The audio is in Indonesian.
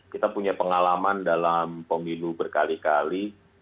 kita punya pengalaman dalam pemilu berkali kali